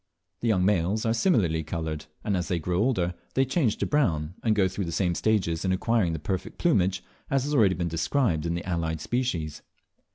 The young males are similarly coloured, and as they grow older they change to brown, and go through the same stages in acquiring the perfect plumage as has already been described in the allied species.